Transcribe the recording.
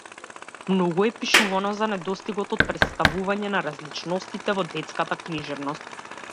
Многу е пишувано за недостигот од претставување на различностите во детската книжевност.